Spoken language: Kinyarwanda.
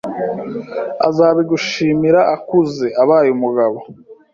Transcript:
azabigushimira akuze abaye umugabo